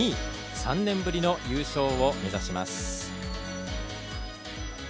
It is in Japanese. ３年ぶりの優勝を目指します。